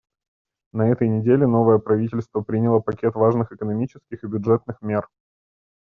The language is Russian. На этой неделе новое правительство приняло пакет важных экономических и бюджетных мер.